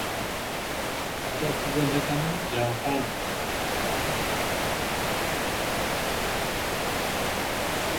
Γιατί «κάτω» αφού δεν έκανα για «απάνω»;